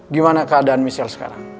gimana keadaan michelle sekarang